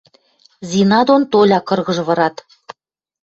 Зина дон Толя кыргыж пырат.